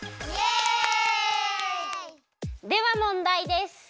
ではもんだいです。